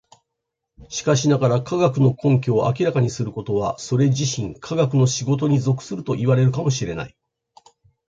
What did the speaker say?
しかしながら、科学の根拠を明らかにすることはそれ自身科学の仕事に属するといわれるかも知れない。